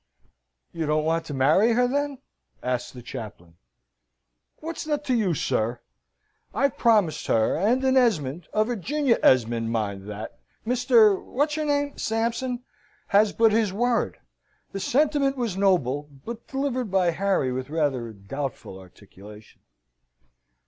"You don't want to marry her, then?" asks the chaplain. "What's that to you, sir? I've promised her, and an Esmond a Virginia Esmond mind that Mr. What's your name Sampson has but his word!" The sentiment was noble, but delivered by Harry with rather a doubtful articulation.